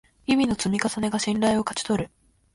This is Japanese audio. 日々の積み重ねが信頼を勝ち取る